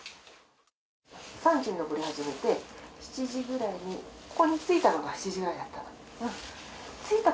３時に登り始めて、７時ぐらいに、ここに着いたのが７時ぐらいだったの？